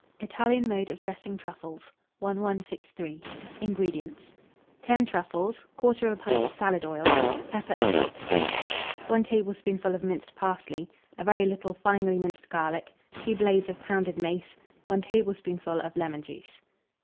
ITALIAN MODE OF DRESSING TRUFFLES. 1163. INGREDIENTS. 10 truffles, 1/4 pint of salad oil, pepper and salt to taste, 1 tablespoonful of minced parsley, a very little finely minced garlic, 2 blades of pounded mace, 1 tablespoonful of lemon juice.